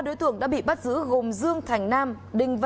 ba đối tượng đã bị bắt giữ gồm dương thành nam đình văn